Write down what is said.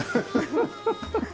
アハハハ。